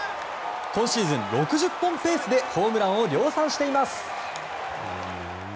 今シーズン６０本ペースでホームランを量産しています。